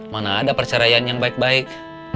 mana ada perceraian yang baik baik